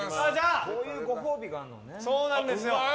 こういうご褒美があるのね。